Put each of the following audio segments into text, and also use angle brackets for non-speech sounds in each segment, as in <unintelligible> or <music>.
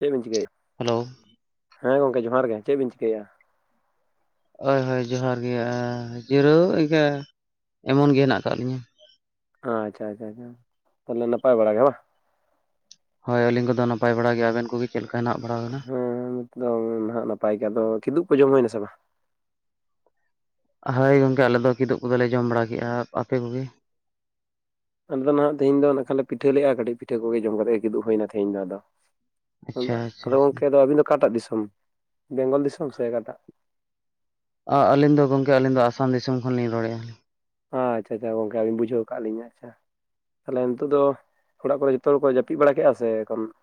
ᱪᱮᱫ ᱵᱤᱱ ᱪᱤᱠᱟᱭ ᱮᱫ᱾ ᱦᱮᱞᱳ ᱦᱮᱸ ᱜᱚᱝᱠᱮ ᱡᱚᱦᱟᱨ ᱜᱮ ᱪᱮᱫ ᱵᱤᱱ ᱪᱤᱠᱟᱹᱭᱟ᱾ ᱦᱳᱭ ᱦᱳᱭ ᱡᱚᱦᱟᱨ ᱜᱮ ᱟᱻ ᱡᱤᱨᱟᱹᱣ ᱤᱱᱠᱟᱹ ᱮᱢᱚᱱ ᱜᱮ ᱦᱮᱱᱟᱜ ᱟᱠᱟᱫ ᱞᱤᱧᱟᱹ ᱟᱪᱪᱷᱟ ᱟᱪᱪᱷᱟ ᱛᱟᱦᱚᱞᱮ ᱱᱟᱯᱟᱭ ᱵᱟᱲᱟ ᱜᱮ ᱵᱟᱝ ᱦᱳᱭ ᱟᱹᱞᱤᱧ ᱠᱚᱫᱚ ᱱᱟᱯᱟᱭ ᱵᱟᱲᱟ ᱜᱮᱭᱟ᱾ ᱟᱵᱮᱱ ᱠᱚᱜᱮ ᱪᱮᱫ ᱞᱮᱠᱟ ᱦᱮᱱᱟᱜ ᱵᱟᱲᱟ ᱵᱮᱱᱟ᱾ ᱮᱠᱫᱚᱢ ᱱᱟᱦᱟᱸᱜ ᱱᱟᱯᱟᱭ ᱜᱮ ᱟᱫᱚ ᱠᱤᱫᱩᱜ ᱠᱚ ᱡᱚᱢ ᱦᱩᱭᱱᱟ ᱥᱮ ᱵᱟᱝ? ᱦᱳᱭ ᱜᱚᱝᱠᱮ ᱟᱞᱮᱫ ᱫᱚ ᱠᱤᱫᱩᱵ ᱠᱚᱫᱚᱞᱮ ᱡᱚᱢ ᱵᱟᱲᱟᱠᱮᱫᱼᱟ ᱟᱯᱮ ᱠᱚᱜᱮ? ᱟᱫᱚ ᱱᱟᱦᱟᱸᱜ ᱛᱤᱦᱤᱧ ᱫᱚ ᱱᱟᱠᱷᱟᱱ ᱞᱮ ᱯᱤᱴᱷᱟᱹ ᱞᱮᱫᱼᱟ, ᱠᱟᱹᱴᱤᱡ ᱯᱤᱴᱟᱹ ᱠᱚᱜᱮ ᱡᱚᱢ ᱠᱟᱛᱮ ᱠᱤᱫᱳᱜ ᱦᱩᱭ ᱱᱟ ᱛᱮᱦᱮᱧ ᱫᱚ ᱟᱫᱚ᱾ ᱟᱪᱪᱷᱟ ᱟᱫᱟ ᱟᱪᱪᱷᱟ ᱟᱫᱚ ᱟᱪᱪᱷᱟ, ᱜᱚᱢᱠᱮ ᱟᱫᱚ ᱟᱹᱵᱤᱱ ᱫᱚ ᱚᱠᱟᱴᱟᱜ ᱫᱤᱥᱚᱢ ᱵᱮᱝᱜᱚᱞ ᱫᱤᱥᱚᱢ ᱥᱮ ᱚᱠᱟᱴᱟᱜ? ᱟᱜ ᱟᱹᱞᱤᱧ ᱫᱚ ᱜᱚᱢᱠᱮ ᱟᱹᱞᱤᱧ ᱫᱚ ᱟᱥᱟᱢ ᱫᱤᱥᱚᱢ ᱠᱷᱚᱱᱞᱤᱧ ᱨᱚᱲᱮᱫᱼᱟ᱾ ᱟᱪᱪᱷᱟ ᱟᱪᱪᱷᱟ ᱜᱚᱝᱠᱮ ᱟᱹᱞᱤᱧ ᱵᱩᱡᱷᱟᱹᱣ ᱠᱟᱜ ᱞᱤᱧᱟ ᱠᱷᱟᱱ ᱛᱟᱦᱚᱞᱮ ᱱᱤᱛᱚᱜ ᱫᱚ ᱚᱲᱟᱜ ᱠᱚᱨᱮ ᱡᱚᱛᱚ ᱦᱚᱲ ᱠᱚ ᱡᱟᱹᱯᱤᱫ ᱵᱟᱲᱟ ᱠᱮᱫᱼᱟ ᱥᱮ <unintelligible>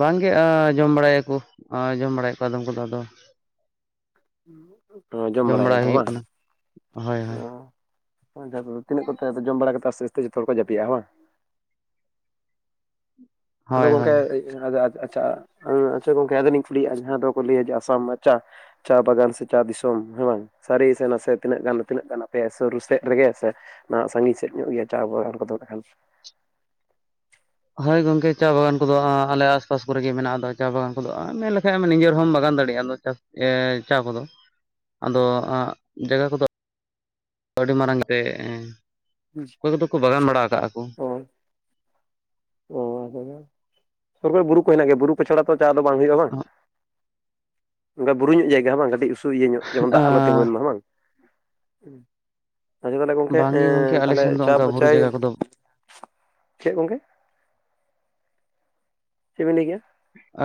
ᱵᱟᱝᱜᱮ ᱟᱸ ᱡᱚᱢ ᱵᱟᱲᱟᱭᱟᱠᱚ ᱟᱸ ᱡᱚᱢ ᱵᱟᱲᱟᱭᱟ ᱠᱚ ᱟᱫᱚᱢ ᱠᱚᱫᱚ ᱟᱫᱚ ᱛᱚ ᱡᱚᱢ ᱵᱟᱲᱟᱭ ᱵᱟᱲᱟᱭᱮᱫᱼᱟ ᱠᱚ ᱦᱩᱭᱩᱜ ᱵᱟᱝ ᱠᱟᱱᱟ ᱦᱳᱭ ᱚ ᱦᱳᱭ <unintelligible> ᱛᱤᱱᱟᱹᱜ ᱠᱚᱛᱮ ᱡᱚᱢ ᱵᱟᱲᱟ ᱠᱟᱛᱮ ᱟᱥᱛᱮ ᱟᱥᱛᱮ ᱡᱚᱛᱚ ᱦᱚᱲ ᱠᱚ ᱡᱟᱹᱯᱤᱫ-ᱟ <unintelligible> ᱟᱫᱚ ᱦᱳᱭ ᱦᱳᱭ ᱜᱚᱝᱠᱮ ᱟᱫᱚ ᱟᱪᱪᱷᱟ ᱟᱪᱪᱷᱟ ᱜᱚᱝᱠᱮ ᱟᱫᱚᱞᱤᱧ ᱠᱩᱞᱤᱭᱟᱜᱼᱟ ᱡᱟᱦᱟᱸ ᱫᱚᱠᱚ ᱞᱟᱹᱭᱟ ᱟᱥᱟᱢ ᱢᱟ ᱪᱟ ᱪᱟ ᱵᱟᱜᱟᱱ ᱥᱮ ᱪᱟ ᱫᱤᱥᱚᱢ ᱦᱮᱸ ᱵᱟᱝ ᱥᱟᱹᱨᱤ ᱥᱮ ᱱᱟᱥᱮ ᱛᱤᱱᱟᱹᱜ ᱜᱟᱱ ᱛᱤᱱᱟᱹᱜ ᱜᱟᱱ ᱟᱯᱮᱭᱟ ᱥᱩᱨᱩ ᱥᱮᱫ ᱨᱮᱜᱮ ᱥᱮ ᱱᱟᱦᱟᱸᱜ ᱥᱟᱺᱜᱤᱧ ᱥᱮᱫ ᱧᱚᱜ ᱜᱮᱭᱟ ᱪᱟ ᱵᱟᱵᱟ ᱦᱚᱲ ᱠᱚᱫᱚ ᱠᱷᱟᱱ ᱦᱳᱭ ᱜᱚᱢᱠᱮ ᱪᱟ ᱵᱟᱜᱟᱱ ᱠᱚᱫᱚ ᱟᱸ ᱟᱞᱮ ᱟᱥ ᱯᱟᱥ ᱠᱚᱨᱮᱜᱮ ᱢᱮᱱᱟᱜ ᱫᱚ ᱪᱟ ᱵᱟᱜᱟᱱ ᱠᱚᱫᱚ ᱢᱮᱱ ᱞᱮᱠᱷᱟᱱᱢ ᱱᱤᱡᱮᱨ ᱦᱚᱸᱢ ᱵᱟᱜᱟᱱ ᱫᱟᱲᱮᱭᱟᱜ <unintelligible> ᱮ ᱪᱟ ᱠᱚᱫᱚ ᱟᱫᱚ ᱡᱟᱜᱟ ᱠᱚᱫᱚ ᱟᱹᱰᱤ ᱢᱟᱨᱟᱝ ᱛᱮ ᱮᱸ ᱚᱠᱚᱭ ᱠᱚᱫᱚ ᱠᱚ ᱵᱟᱜᱟᱱ ᱵᱟᱲᱟ ᱠᱟᱜ-ᱟ ᱠᱚ᱾ <unintelligible> ᱥᱚᱨ ᱠᱚᱨᱮ ᱵᱩᱨᱩ ᱠᱚ ᱦᱮᱱᱟᱜ ᱜᱮᱭᱟ᱾ ᱵᱩᱨᱩ ᱠᱚᱪᱷᱟᱲᱟ ᱛᱚ ᱪᱟ ᱫᱚ ᱵᱟᱝ ᱦᱩᱭᱩᱜᱼᱟ ᱵᱟᱝ ᱚᱱᱠᱟ ᱵᱩᱨᱩ ᱧᱚᱜ ᱡᱟᱭᱜᱟ ᱦᱚᱸ ᱵᱟᱝ ᱠᱟᱹᱴᱤᱡ ᱩᱥᱩ ᱤᱭᱟᱹ ᱧᱚᱜ ᱡᱮᱢᱚᱱ ᱫᱟᱜ ᱟᱞᱚ ᱛᱤᱸᱜᱩᱭ ᱢᱟ ᱦᱮ ᱵᱟᱝ ᱚᱸ ᱟᱪᱪᱷᱟ ᱛᱟᱦᱚᱞᱮ ᱜᱚᱢᱠᱮ ᱵᱟᱝᱜᱮ ᱜᱚᱝᱠᱮ ᱮᱸ ᱟᱞᱮ ᱛᱟᱦᱚᱞᱮ ᱥᱮᱱ ᱫᱚ ᱚᱱᱠᱟ ᱪᱟᱵᱟ ᱵᱩᱨᱩ ᱪᱟᱭ ᱡᱟᱭᱜᱟ ᱠᱚᱫᱚ ᱪᱮᱫ ᱜᱚᱝᱠᱮ ᱪᱮᱫᱵᱤᱱ ᱞᱟᱹᱭ ᱠᱮᱫᱼᱟ?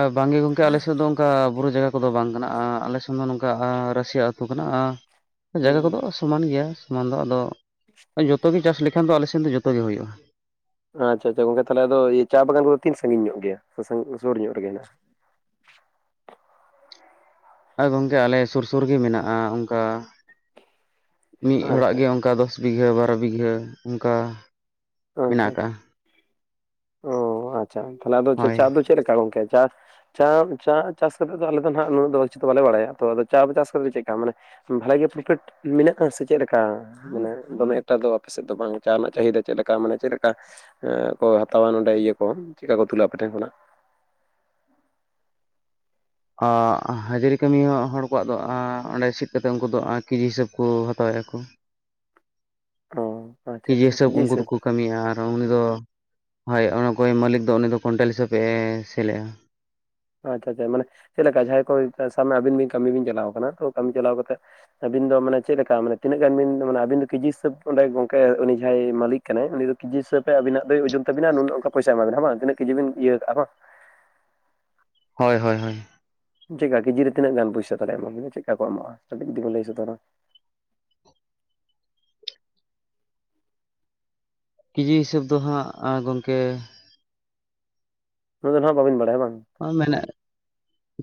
ᱟ ᱵᱟᱝᱜᱮ ᱜᱚᱢᱠᱮ ᱟᱞᱮᱥᱮᱫ ᱫᱚ ᱚᱱᱠᱟ ᱵᱩᱨᱩ ᱡᱟᱭᱜᱟ ᱠᱚᱫᱚ ᱵᱟᱝ ᱠᱟᱱᱟ᱾ ᱟᱸ ᱟᱞᱮ ᱥᱮᱫ ᱫᱚ ᱱᱚᱝᱠᱟ ᱟᱻᱨ ᱨᱟᱹᱥᱤᱭᱟ ᱟᱹᱛ ᱟᱛᱩ ᱠᱟᱱᱟ᱾ <unintelligible> ᱡᱟᱭᱜᱟ ᱠᱚᱫᱚ ᱥᱚᱢᱟᱱ ᱜᱮᱭᱟ ᱥᱚᱢᱟᱱ ᱫᱚ, ᱟᱫᱚ ᱡᱚᱛᱚ ᱜᱮ ᱪᱟᱥ ᱞᱮᱠᱷᱟᱱ ᱫᱚ ᱟᱞᱮ ᱥᱮᱱ ᱫᱚ ᱡᱚᱛᱚᱜᱮ ᱦᱩᱭᱩᱜᱼᱟ ᱾ ᱟᱪᱪᱷᱟ ᱟᱪᱪᱷᱟ ᱜᱚᱝᱠᱮ ᱛᱟᱦᱚᱞᱮ ᱟᱫᱚ ᱤᱭᱟᱹ ᱪᱟ ᱵᱟᱜᱟᱱ ᱠᱚᱫᱚ ᱛᱤᱱᱟᱹᱜ ᱥᱟᱸᱜᱤᱧ ᱧᱚᱜ ᱜᱮᱭᱟ, ᱥᱮ ᱥᱩᱨ ᱥᱩᱨ ᱧᱚᱜ ᱨᱮᱜᱮ ᱦᱮᱱᱟᱜᱼᱟ? ᱟᱨ ᱜᱚᱢᱠᱮ ᱟᱞᱮ ᱥᱩᱨ ᱥᱩᱨ ᱜᱮ ᱢᱮᱱᱟᱜᱼᱟ ᱚᱱᱠᱟ, ᱢᱤᱫ ᱦᱚᱲᱟᱜ ᱟᱪᱪᱷᱟ ᱜᱮ ᱚᱱᱠᱟ ᱫᱚᱥᱼᱼ ᱵᱤᱜᱷᱟᱹ ᱵᱟᱨᱚ ᱵᱤᱜᱷᱟᱹ ᱚᱱᱠᱟ ᱾ ᱟᱪᱪᱷᱟ ᱟᱪᱪᱷᱟ, ᱚ ᱟᱪᱪᱷᱟ ᱛᱟᱦᱚᱞᱮ ᱦᱳᱭ ᱪᱟ ᱫᱚ ᱪᱮᱫ ᱞᱮᱠᱟ ᱜᱚᱢᱠᱮ ᱪᱟᱥ? ᱪᱟᱢ ᱪᱟ ᱪᱟᱥ ᱠᱟᱛᱮᱫ ᱫᱚ ᱟᱞᱮ ᱫᱚ ᱦᱟᱸᱜ ᱩᱱᱟᱹᱜ ᱫᱚ <inaudible> ᱵᱟᱞᱮ ᱵᱟᱲᱟᱭᱟ ᱛᱚ ᱟᱫᱚ ᱪᱟ ᱪᱟᱥ ᱫᱚ ᱢᱤᱫ ᱞᱮᱠᱟ ᱢᱟᱱᱮ ᱵᱷᱟᱜᱮ ᱯᱨᱚᱯᱷᱤᱴ ᱢᱮᱱᱟᱜᱼᱟ ᱥᱮ ᱪᱮᱫ ᱞᱮᱠᱟ? ᱢᱟᱱᱮ ᱫᱚᱢᱮ ᱮᱠᱴᱟ ᱫᱚ ᱟᱯᱮ ᱥᱮᱫ ᱫᱚ ᱵᱟᱝ, ᱪᱟ ᱨᱮᱱᱟᱜ ᱪᱟᱦᱤᱫᱟ ᱪᱮᱫ ᱞᱮᱠᱟ ᱾ ᱞᱮᱠᱟ ᱢᱟᱱᱮ ᱪᱮᱫ ᱞᱮᱠᱟ ᱠᱚ ᱦᱟᱛᱟᱣᱟ ᱱᱚᱰᱮ ᱤᱭᱟᱹ ᱠᱚ, ᱪᱮᱫ ᱞᱮᱠᱟ ᱠᱚ ᱛᱩᱞᱟ ᱟᱯᱮ ᱴᱷᱮᱱ ᱠᱷᱚᱱᱟᱜ? ᱟᱸ ᱦᱟᱡᱽᱨᱤ ᱠᱟᱹᱢᱤ ᱦᱚᱸ ᱦᱚᱲ ᱠᱚᱣᱟᱜ ᱫᱚ ᱟᱸ ᱚᱸᱰᱮ ᱥᱤᱫ ᱠᱟᱛᱮᱫ ᱩᱱᱠᱩ ᱫᱚ ᱠᱮᱡᱤ ᱦᱤᱥᱟᱹᱵᱽ ᱠᱚ ᱦᱟᱛᱟᱣᱮᱜ -ᱟᱠᱚ ᱾ ᱚᱻ ᱠᱮᱡᱤ ᱦᱤᱥᱟᱹᱵᱽ ᱩᱱᱠᱩ ᱫᱚᱠᱩᱼᱼ ᱠᱟᱹᱢᱤᱭᱟ ᱟᱨ ᱩᱱᱤ ᱫᱚ ᱦᱳᱭ ᱚᱱ ᱟᱠᱚᱭᱤᱡ ᱢᱟᱹᱞᱤᱠ ᱫᱚ ᱩᱱᱤᱫᱚ ᱠᱩᱭᱤᱱᱴᱚᱞ ᱦᱤᱥᱟᱹᱵᱮ ᱥᱮᱞ ᱮᱫᱼᱟ ᱾ ᱟᱪᱪᱷᱟ ᱟᱪᱪᱷᱟ ᱢᱟᱱᱮ, ᱪᱮᱫ ᱞᱮᱠᱟ ᱡᱟᱦᱟᱸᱭ ᱠᱚ ᱥᱟᱵᱽ ᱠᱟᱜᱢᱮ ᱟᱵᱤᱱ ᱵᱤᱱ ᱠᱟᱹᱢᱤ ᱵᱤᱱ ᱪᱟᱞᱟᱣ ᱠᱟᱱᱟ ᱛᱚ ᱠᱟᱹᱢᱤ ᱪᱟᱞᱟᱣ ᱠᱟᱛᱮᱫᱼᱼ ᱟᱹᱵᱤᱱ ᱫᱚ ᱢᱟᱱᱮ, ᱪᱮᱫ ᱞᱮᱠᱟ ᱢᱟᱱᱮ, ᱛᱤᱱᱟᱹᱜ ᱜᱟᱱ ᱵᱤᱱ ᱢᱟᱱᱮ ᱟᱵᱤᱱ ᱫᱚ ᱠᱮᱡᱤ ᱦᱤᱥᱟᱹᱵᱽ ᱚᱸᱰᱮ ᱜᱚᱝᱠᱮ ᱩᱱᱤ ᱡᱟᱦᱟᱸᱭ ᱢᱟᱞᱤᱠᱼᱼ ᱠᱟᱱᱟᱭ ᱩᱱᱤ ᱫᱚ ᱠᱮᱡᱤ ᱦᱤᱥᱟᱹᱵᱽ ᱛᱮ ᱟᱵᱤᱱᱟᱜ ᱫᱚᱭ ᱳᱡᱚᱱ ᱛᱟᱵᱤᱱᱟ ᱱᱩᱱᱟᱹᱜ ᱚᱱᱠᱟ ᱯᱚᱭᱥᱟᱭ ᱮᱢᱟᱵᱮᱱᱟ ᱦᱮᱸ ᱵᱟᱝ, ᱛᱤᱱᱟᱹᱜ ᱠᱤᱡᱤ ᱵᱤᱱ ᱤᱭᱟᱹᱣ ᱠᱟᱜᱼᱟ ᱵᱟᱝᱼᱼ ᱦᱚᱭ ᱦᱚᱭ ᱦᱚᱭ ᱾ ᱪᱮᱫ ᱠᱟ ᱠᱮᱡᱤ ᱨᱮ ᱛᱤᱱᱟᱹᱜ ᱜᱟᱱ ᱯᱩᱭᱥᱟᱹ ᱛᱟᱞᱦᱮ ᱮᱢᱟ ᱵᱤᱱᱟ ᱪᱮᱫ ᱠᱟ ᱠᱚ ᱮᱢᱚᱜᱼᱟ, ᱠᱟᱹᱴᱤᱡ ᱡᱩᱫᱤ ᱵᱮᱱ ᱞᱟᱹᱭ ᱥᱚᱫᱚᱨᱟᱼᱼ ᱠᱤᱡᱤ ᱦᱤᱸᱥᱟᱹᱵᱽ ᱫᱚ ᱦᱟᱸᱜ ᱜᱚᱢᱠᱮᱼᱼ ᱱᱩᱱᱟᱹᱜ ᱫᱚ ᱦᱟᱸᱜ ᱵᱟᱵᱤᱱ ᱵᱟᱲᱟᱭᱟ ᱵᱟᱝ? ᱦᱚᱸ ᱢᱮᱱᱟᱜᱼᱟ <unintelligible>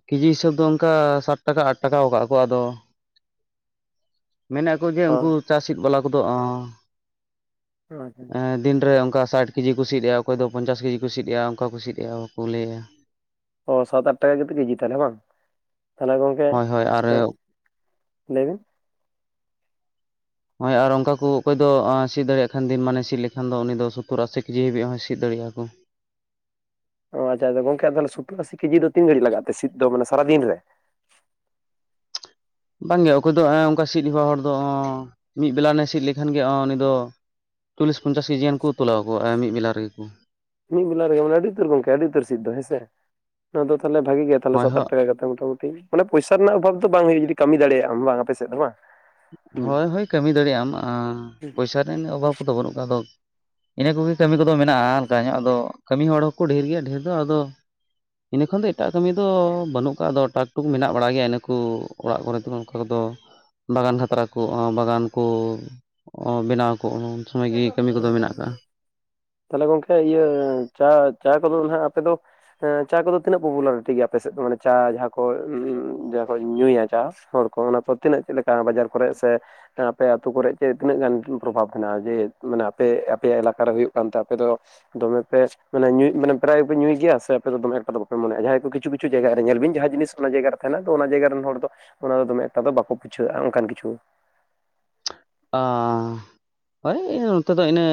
ᱠᱮᱡᱤ ᱦᱤᱥᱟᱹᱵᱽ ᱫᱚ ᱚᱱᱠᱟ ᱥᱟᱴ ᱴᱟᱠᱟ ᱟᱴ ᱴᱟᱠᱟᱣ ᱠᱟᱜᱼᱟ ᱠᱚ ᱟᱫᱚ, ᱢᱮᱱᱮᱠᱼᱼ ᱩᱱᱠᱩ ᱜᱮ ᱚ ᱩᱱᱠᱩ ᱪᱟ ᱥᱤᱫ ᱵᱟᱞᱟ ᱠᱚᱫᱚ ᱟ, ᱟᱪᱪᱷᱟ, ᱮᱸᱼᱼ ᱫᱤᱱᱨᱮ ᱚᱱᱠᱟ ᱥᱟᱴ ᱠᱮᱡᱤ ᱠᱳ ᱥᱤᱫᱮᱜᱼᱟ ᱚᱠᱚᱭᱫᱚ ᱯᱚᱧᱪᱟᱥ ᱠᱮᱡᱤ ᱠᱳ ᱥᱤᱫᱮᱜᱼᱟ ᱚᱱᱠᱟᱠᱚ ᱥᱤᱫᱮᱜᱼᱟ, ᱚᱝᱠᱟᱠᱚ <unintelligible> ᱞᱟᱹᱭᱟ ᱚ ᱥᱟᱛ ᱟᱴ ᱴᱟᱠᱟ ᱠᱟᱛᱮᱜ ᱠᱮᱡᱤ ᱛᱟᱞᱦᱮ ᱵᱟᱝ, ᱛᱟᱞᱦᱮ ᱜᱚᱝᱠᱮ ᱦᱳᱭ ᱦᱳᱭ ᱟᱨ ᱮᱸᱜᱼᱼ ᱞᱟᱹᱭ ᱵᱤᱱᱼᱼ ᱦᱳᱭ ᱟᱨ ᱚᱱᱠᱟ ᱠᱩ ᱚᱠᱚᱭ ᱫᱚ ᱥᱤᱫ ᱫᱟᱲᱮᱭᱟᱜ ᱠᱷᱟᱱ ᱫᱤᱱ ᱢᱟᱱᱮ ᱥᱤᱫ ᱞᱮᱠᱷᱟᱱ ᱫᱚ ᱩᱱᱤ ᱫᱚ ᱥᱚᱛᱛᱳᱨ ᱟᱥᱤ ᱠᱮᱡᱤ ᱦᱟᱹᱵᱤᱡ ᱦᱚᱸᱭ ᱥᱤᱫ ᱫᱟᱲᱮᱭᱟᱜᱼᱟ ᱠᱚ ᱾ ᱚ ᱟᱪᱪᱷᱟ ᱟᱪᱪᱷᱟ ᱜᱚᱝᱠᱮ ᱛᱟᱦᱞᱮ ᱥᱚᱛᱛᱳᱨ ᱟᱥᱤ ᱠᱮᱡᱤ ᱫᱚ ᱛᱤᱱ ᱜᱷᱟᱹᱲᱤᱡ ᱞᱟᱜᱟᱜ ᱛᱮ ᱥᱤᱫ ᱫᱚ ᱢᱟᱱᱮ ᱥᱟᱨᱟᱫᱤᱱ ᱨᱮ ᱾ ᱵᱟᱝᱜᱮ ᱚᱠᱚᱭ ᱫᱚ ᱚᱱᱠᱟ ᱥᱤᱫ ᱦᱮᱣᱟ ᱦᱚᱲ ᱫᱚ, ᱢᱤᱫ ᱵᱮᱞᱟ ᱟᱱᱮ ᱥᱤᱫ ᱞᱮᱠᱷᱟᱱ ᱜᱮ ᱩᱱᱤ ᱫᱚᱼᱼ ᱪᱚᱞᱞᱤᱥ ᱯᱚᱧᱪᱟᱥ ᱠᱮᱡᱤ ᱜᱟᱱ ᱠᱩ ᱛᱩᱞᱟᱣᱟᱠᱩ ᱢᱤᱫ ᱵᱮᱞᱟ ᱨᱮᱜᱮ ᱠᱩᱼᱼ ᱢᱤᱫ ᱵᱮᱞᱟ ᱨᱮᱜᱮ ᱢᱟᱱᱮ ᱟᱹᱰᱤ ᱩᱛᱟᱹᱨ ᱜᱚᱝᱠᱮ ᱟᱹᱰᱤ ᱩᱛᱟᱹᱨ ᱥᱤᱫ ᱫᱚ ᱦᱮᱸᱥᱮ, ᱱᱚᱣᱟ ᱫᱚ ᱛᱟᱦᱞᱮ ᱵᱷᱟᱜᱮ ᱜᱮᱭᱟ ᱾ ᱛᱟᱦᱞᱮ ᱦᱳᱭ ᱥᱟᱛ ᱟᱴ ᱴᱟᱠᱟ ᱠᱟᱛᱮ ᱢᱚᱴᱟᱢᱩᱴᱤ ᱢᱟᱱᱮ ᱯᱚᱭᱥᱟ ᱨᱮᱱᱟᱜ ᱚᱵᱷᱟᱵᱽ ᱫᱚ ᱵᱟᱝ ᱦᱩᱭᱩᱜ ᱡᱩᱫᱤ ᱠᱟᱹᱢᱤ ᱫᱟᱲᱮᱭᱟᱜᱼᱟᱢ ᱵᱟᱝ ᱟᱯᱮ ᱥᱮᱫ ᱫᱚ ᱵᱟᱝᱼᱼ ᱦᱳᱭ ᱦᱳᱭ ᱠᱟᱹᱢᱤ ᱫᱟᱲᱮᱭᱟᱜ ᱟᱢ, ᱟᱸ ᱯᱚᱭᱥᱟ ᱨᱮᱱᱟᱜ ᱚᱵᱷᱟᱵᱽ ᱠᱚᱫᱚ ᱵᱟᱹᱱᱩᱜ ᱠᱚᱣᱟ ᱟᱫᱚᱼᱼ ᱤᱱᱟᱹ ᱠᱚᱜᱮ ᱠᱟᱢᱤ ᱠᱚᱫᱚ ᱢᱮᱱᱟᱜᱼᱟ ᱦᱟᱞᱠᱟ ᱧᱚᱜ ᱟᱫᱚ, ᱠᱟᱹᱢᱤ ᱦᱚᱲ ᱦᱚᱸᱠᱚ ᱰᱷᱮᱨ ᱜᱮᱭᱟ ᱰᱷᱮᱨ ᱫᱚ ᱟᱫᱚ ᱾ ᱤᱱᱟᱹ ᱠᱷᱚᱱ ᱫᱚ ᱮᱴᱟᱜ ᱠᱟᱹᱢᱤ ᱫᱚ ᱵᱟᱱᱩᱜ ᱠᱟᱜᱼᱟ, ᱟᱫᱚ ᱴᱟᱠ ᱴᱩᱠ ᱢᱮᱱᱟᱜ ᱵᱟᱲᱟ ᱜᱮᱭᱟ ᱤᱱᱟᱹ ᱠᱩ ᱚᱲᱟᱜ ᱠᱚᱨᱮ ᱫᱚ ᱚᱱᱠᱟ ᱠᱚᱫᱚ ᱾ ᱵᱟᱜᱟᱱ ᱠᱷᱟᱛᱨᱟ ᱠᱩ, ᱵᱟᱜᱟᱱ ᱠᱩ ᱮᱸ ᱵᱮᱱᱟᱣ ᱟᱠᱩ ᱩᱱ ᱥᱚᱢᱚᱭ ᱜᱤ ᱾ <unintelligible> ᱛᱟᱞᱦᱮ ᱜᱚᱝᱠᱮ ᱤᱭᱟᱹ ᱪᱟ, ᱪᱟ ᱠᱚᱫᱚ ᱱᱟᱜ ᱟᱯᱮ ᱫᱚᱼᱼ ᱦᱮᱸ ᱪᱟ ᱠᱚᱫᱚ ᱛᱤᱱᱟᱹᱜ ᱯᱩᱯᱩᱞᱟᱨᱤᱴᱤ ᱜᱮᱭᱟ ᱟᱯᱮ ᱥᱮᱫ ᱫᱚ, ᱢᱟᱱᱮ ᱪᱟ ᱡᱟᱸᱦᱟ? ᱠᱚ <unintelligible> ᱡᱟᱦᱟᱸ ᱠᱚ ᱧᱩᱭᱟ ᱪᱟ ᱦᱚᱲ ᱠᱚ ᱚᱱᱟ ᱠᱚ ᱛᱤᱱᱟᱹᱜ ᱪᱮᱫ ᱞᱮᱠᱟ ᱵᱟᱡᱟᱨ ᱠᱚᱨᱮᱜ ᱥᱮ ᱦᱮᱸᱼᱻ ᱟᱯᱮ ᱟᱹᱛᱩ ᱠᱚᱨᱮ ᱪᱮᱜ ᱛᱤᱱᱟᱹᱜ ᱜᱟᱱ ᱯᱨᱚᱵᱷᱟᱵᱽ ᱢᱮᱱᱟᱜᱼᱟ ᱡᱮ, ᱢᱟᱱᱮ ᱟᱯᱮ ᱟᱯᱮᱭᱟᱜ ᱮᱞᱟᱠᱟ ᱨᱮ ᱦᱩᱭᱩᱜ ᱠᱟᱱᱛᱮ ᱟᱯᱮ ᱫᱚᱼᱼ ᱫᱚᱢᱮ ᱯᱮ <unintelligible> ᱢᱟᱱᱮ ᱧᱩᱭ ᱢᱟᱱᱮ ᱯᱨᱟᱭ ᱵᱤᱱ ᱧᱩᱭ ᱜᱮᱭᱟ, ᱥᱮ ᱟᱯᱮ ᱫᱚ ᱫᱚᱢᱮ ᱮᱠᱴᱟ ᱫᱚ ᱵᱟᱯᱮ ᱢᱚᱱᱮᱭᱟᱜᱼᱟ ᱡᱟᱦᱟᱸᱭ ᱠᱩ ᱠᱤᱪᱷᱩ ᱠᱤᱪᱷᱩ ᱡᱟᱭᱜᱟ ᱨᱮ ᱧᱮᱞᱵᱤᱱ ᱡᱟᱸᱦᱟᱸ ᱡᱤᱱᱤᱥ ᱚᱱᱟ ᱡᱟᱭᱜᱟ ᱨᱮᱼᱼ ᱠᱟᱱᱟ ᱫᱚ ᱚᱱᱟ ᱡᱟᱭᱜᱟ ᱨᱮᱱ ᱦᱚᱲ ᱫᱚ, ᱚᱱᱟ ᱫᱚᱢᱮ ᱮᱠᱴᱟ ᱫᱚ ᱵᱟᱠᱚ ᱯᱩᱪᱷᱟᱹᱣᱟᱜᱼᱟ ᱚᱱᱠᱟᱱ ᱠᱤᱪᱷᱩᱼᱼ ᱟᱸ ᱳᱭ ᱱᱚᱛᱮ ᱫᱚ ᱤᱱᱟᱹ,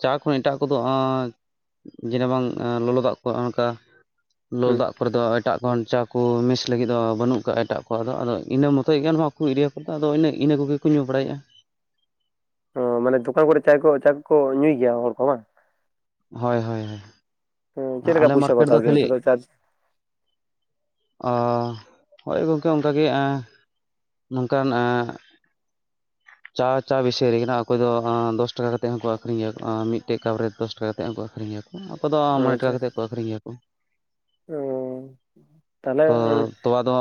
ᱪᱟ ᱠᱷᱚᱱ ᱮᱴᱟᱜ ᱠᱚᱫᱚ ᱦᱟᱸᱜᱼᱼ ᱡᱮᱱᱮ ᱵᱟᱝ ᱮᱸ ᱞᱚᱞᱚ ᱫᱟᱜ ᱠᱚ ᱚᱱᱠᱟ, ᱞᱚᱞᱚ ᱦᱩᱸ ᱫᱟᱜᱼᱼ ᱠᱚᱨ ᱫᱚ ᱮᱴᱟᱜ ᱠᱷᱚᱱ ᱪᱟ ᱠᱚ ᱢᱤᱥ ᱞᱟᱹᱜᱤᱫ ᱫᱚ ᱵᱟᱹᱱᱩᱜ ᱠᱟᱜᱼᱟ, ᱮᱴᱟᱜ ᱠᱚ ᱟᱫᱚ ᱤᱱᱟᱹ ᱢᱚᱛᱚᱡ ᱜᱮ ᱜᱟᱱᱚᱜᱼᱟ ᱾ ᱩᱱᱠᱩ ᱮᱨᱤᱭᱟᱹ ᱠᱚᱫᱚ ᱟᱫᱚ ᱚᱱᱮ ᱤᱱᱟᱹ ᱠᱚᱜᱮ ᱠᱚ ᱧᱩ ᱵᱟᱲᱟᱭᱮᱜᱼᱟ ᱾ ᱚᱻ ᱢᱟᱱᱮ ᱫᱚᱠᱟᱱ ᱠᱚᱨᱮ ᱪᱟᱭ ᱠᱚ ᱪᱟ ᱠᱚᱠᱚ ᱧᱩᱭ ᱜᱮᱭᱟ ᱦᱚᱲ ᱠᱚ ᱵᱟᱝ ᱾ ᱦᱚᱭ ᱦᱚᱭ ᱾ ᱛᱚ ᱪᱮᱫ ᱞᱮᱠᱟ ᱯᱩᱭᱥᱟᱹ ᱠᱚ ᱦᱟᱛᱟᱣ ᱜᱮᱭᱟ ᱚᱱᱛᱮ ᱫᱚ ᱪᱟᱥ? ᱟᱻ ᱦᱳᱭ ᱜᱚᱝᱠᱮ ᱚᱱᱠᱟ ᱜᱮ ᱟᱻ ᱱᱚᱝᱠᱟᱱ ᱟᱻ ᱪᱟ ᱪᱟ ᱵᱤᱥᱚᱭ ᱨᱮ ᱠᱟᱱᱟ᱾ ᱚᱠᱚᱭ ᱫᱚ ᱟᱸ ᱫᱚᱥ ᱴᱟᱠᱟ ᱠᱟᱛᱮᱫ ᱦᱚᱸᱠᱚᱸ ᱟᱠᱷᱨᱤᱧ ᱜᱮᱭᱟ᱾ ᱟᱸ ᱢᱤᱫᱴᱮᱡ ᱠᱟᱯ ᱨᱮ ᱫᱚᱥ ᱴᱟᱠᱟ᱾ ᱠᱟᱛᱮᱫ ᱦᱚᱸᱠᱩ ᱟᱹᱠᱷᱨᱤᱧ ᱜᱮᱭᱟᱠᱩ᱾ ᱟᱠᱚ ᱫᱚ ᱢᱚᱬᱮ ᱴᱟᱠᱟ ᱟᱪᱪᱷᱟ ᱠᱟᱛᱮᱫ ᱠᱚ ᱟᱠᱠᱷᱨᱤᱧ ᱜᱮᱭᱟᱠᱩ᱾ ᱚ ᱛᱟᱦᱚᱞᱮ ᱚᱸ ᱟᱪᱪᱷᱟ ᱛᱳᱣᱟ ᱫᱚ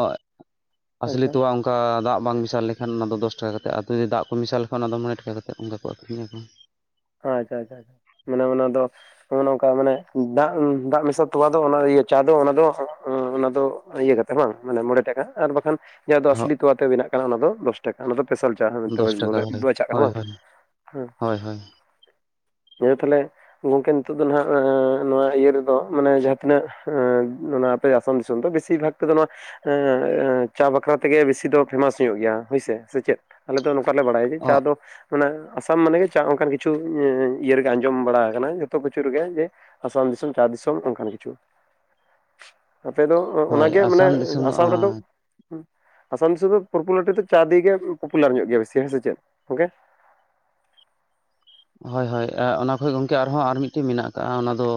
ᱟᱥᱞᱤ ᱛᱳᱣᱟ ᱟ ᱫᱟᱜ ᱵᱟᱝ ᱢᱮᱥᱟᱞ ᱞᱮᱠᱷᱟᱱ ᱚᱱᱟ ᱫᱚ ᱫᱚᱥ ᱴᱟᱠᱟ ᱠᱟᱛᱮᱫ ᱟᱨ ᱡᱩᱫᱤ ᱫᱟᱜ ᱠᱚ ᱢᱮᱥᱟᱞ ᱞᱮᱠᱷᱟᱱ ᱚᱱᱟ ᱫᱚ ᱢᱚᱬᱮ ᱴᱟᱠᱟ ᱠᱟᱛᱮᱫ ᱚᱱᱠᱟ ᱠᱚ ᱟᱹᱠᱷᱨᱤᱧᱟᱠᱚ᱾ ᱟᱪᱪᱷᱟ ᱟᱪᱪᱷᱟ ᱟᱪᱷᱟ᱾ ᱢᱟᱱᱮ ᱚᱱᱟ ᱫᱚ ᱱᱚᱜᱼᱚ ᱱᱚᱝᱠᱟ ᱢᱟᱱᱮ ᱫᱟᱜ ᱫᱟᱜ ᱢᱮᱥᱟ ᱛᱳᱣᱟ ᱫᱚ ᱚᱱᱟ ᱤᱭᱟᱹ ᱪᱟ ᱫᱚ ᱚᱱᱟ ᱫᱚ ᱚᱱᱟ ᱫᱚ ᱤᱭᱟᱹ ᱠᱟᱛᱮ ᱵᱟᱝ᱾ ᱢᱟᱱᱮ ᱢᱚᱬᱮ ᱴᱟᱠᱟ ᱟᱨ ᱵᱟᱠᱷᱟᱱ ᱡᱟᱦᱟᱸ ᱫᱚ ᱟᱥᱞᱤ ᱛᱳᱣᱟ ᱛᱮ ᱵᱮᱱᱟᱜ ᱠᱟᱱᱟ, ᱚᱱᱟ ᱫᱚ ᱫᱚᱥ ᱴᱟᱠᱟ, ᱚᱱᱟ ᱫᱚ ᱯᱮᱥᱟᱞ ᱪᱟ ᱦᱚᱸ ᱢᱤᱫᱴᱟᱹᱝ ᱫᱚᱥ ᱵᱮᱥ ᱵᱚᱞᱮ ᱵᱟᱪᱷᱟᱜ ᱠᱟᱱᱟ ᱵᱟᱝ? ᱦᱩᱸ᱾ ᱦᱚᱭ ᱦᱚᱭ᱾ <unintelligible> ᱜᱚᱝᱠᱮ ᱱᱤᱛᱚᱜ ᱫᱚ ᱱᱷᱟᱜ ᱟᱺᱻ ᱱᱚᱶᱟ ᱤᱭᱟᱹ ᱨᱮᱫᱚ ᱢᱟᱱᱮ ᱡᱟᱦᱟᱸ ᱛᱤᱱᱟᱹᱜ ᱟᱺᱻ ᱚᱱᱟ ᱟᱥᱟᱢ ᱫᱤᱥᱚᱢ ᱫᱚ ᱵᱮᱥᱤ ᱵᱷᱟᱜᱽ ᱛᱮ ᱱᱚᱶᱟ ᱟᱺᱻᱟᱺ ᱪᱟ ᱵᱟᱠᱷᱨᱟ ᱛᱮᱜᱮ ᱵᱮᱥᱤ ᱫᱚ ᱯᱷᱮᱢᱟᱥ ᱦᱩᱭᱩᱜ ᱜᱮᱭᱟ᱾ ᱦᱳᱭᱥᱮ ᱥᱮ ᱪᱮᱫ? ᱟᱞᱮ ᱫᱚ ᱱᱚᱝᱠᱟ ᱞᱮ ᱵᱟᱰᱟᱭᱟ ᱡᱮ ᱪᱟ ᱫᱚ ᱢᱟᱱᱮ ᱟᱥᱟᱢ ᱢᱟᱱᱮ ᱪᱟ ᱚᱱᱠᱟᱱ ᱠᱤᱪᱷᱩ ᱤᱸᱻ ᱤᱭᱟᱹ ᱨᱮᱜᱮ ᱟᱸᱡᱚᱢ ᱵᱟᱲᱟ ᱟᱠᱟᱱᱟ, ᱡᱚᱛᱚ ᱠᱤᱪᱷᱩ ᱨᱮᱜᱮ ᱡᱮ ᱟᱥᱟᱢ ᱫᱤᱥᱚᱢ᱾ ᱪᱟ ᱫᱤᱥᱚᱢ ᱚᱱᱠᱟᱱ ᱠᱤᱪᱷᱩ᱾ ᱟᱯᱮ ᱫᱚ ᱚ ᱦᱳᱭ ᱚᱱᱟᱜᱮ ᱢᱟᱱᱮ ᱟᱥᱟᱢ ᱫᱤᱥᱚᱢ ᱫᱚ ᱟᱥᱟᱢ ᱨᱮᱫᱚ ᱟᱥᱟᱢ ᱫᱤᱥᱚᱢ ᱫᱚ ᱯᱨᱚᱯᱩᱞᱟᱨᱤᱴᱤ ᱫᱚ ᱪᱟ ᱫᱤᱭᱮ ᱯᱨᱚᱯᱩᱞᱟᱨ ᱧᱚᱜ ᱜᱮᱭᱟ ᱵᱤᱥᱤ ᱦᱮᱸ ᱥᱮ ᱪᱮᱫ? ᱜᱚᱝᱠᱮ! ᱦᱳᱭ ᱦᱳᱭ᱾ ᱟ ᱚᱱᱟ ᱠᱷᱚᱡ ᱜᱚᱝᱠᱮ ᱟᱨᱦᱚᱸ ᱟᱨ ᱢᱤᱫᱴᱤᱡ ᱢᱮᱱᱟᱜ ᱟᱠᱟᱜᱼᱟ᱾ ᱚᱱᱟ ᱫᱚ